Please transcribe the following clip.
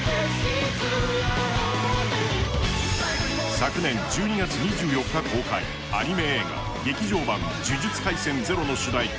昨年１２月２４日公開、アニメ映画「劇場版呪術廻戦０」の主題歌